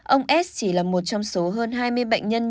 ông s chỉ là một trong số hơn hai mươi bệnh nhân